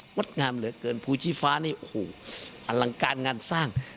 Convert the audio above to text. ดงามเหลือเกินภูชีฟ้านี่โอ้โหอลังการงานสร้าง